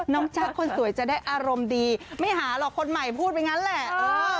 จักรคนสวยจะได้อารมณ์ดีไม่หาหรอกคนใหม่พูดไปงั้นแหละ